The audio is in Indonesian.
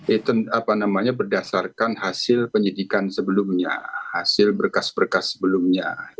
itu berdasarkan hasil penyelidikan sebelumnya hasil berkas berkas sebelumnya